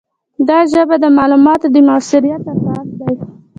دا ژبه د معلوماتو د موثریت اساس ده.